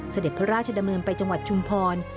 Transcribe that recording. เสด็จพระราชดำเนินไปจังหวัดชุมพร